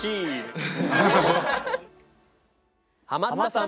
ハマったさん